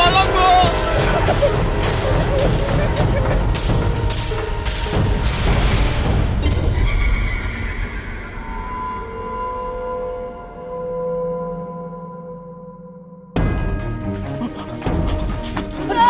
astaga ngarep tuh tempoh hati